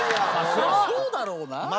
そりゃそうだろうな。